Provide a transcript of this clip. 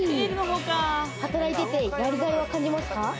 働いてて、やりがいは感じますか？